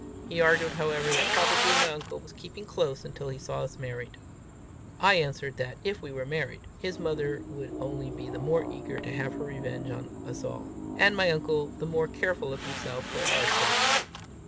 He argued, however, that probably my uncle was keeping close until he saw us married. I answered that, if we were married, his mother would only be the more eager to have her revenge on us all, and my uncle the more careful of himself for our sakes.